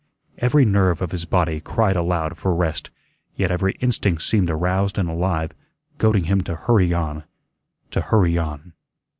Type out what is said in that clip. Every nerve of his body cried aloud for rest; yet every instinct seemed aroused and alive, goading him to hurry on, to hurry on.